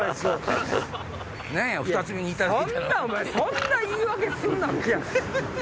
そんな言い訳すんなって！